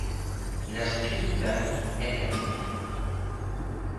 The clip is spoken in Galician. Na escrita e na vida.